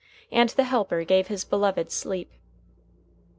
And the Helper gave His beloved sleep.